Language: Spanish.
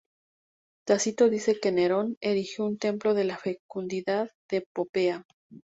Tácito dice que Nerón erigió un templo de la fecundidad de Popea.